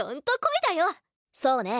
そうね。